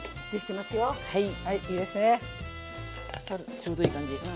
ちょうどいい感じ。